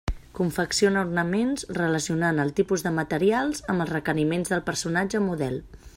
Confecciona ornaments relacionant el tipus de materials amb els requeriments del personatge o model.